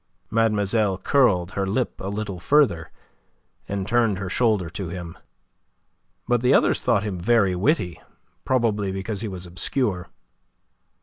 Mademoiselle curled her lip a little further, and turned her shoulder to him. But the others thought him very witty probably because he was obscure.